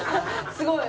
すごい。